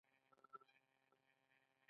د تخار زلزلې خطرناکې دي